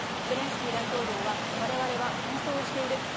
ゼレンスキー大統領は、われわれは戦争をしている。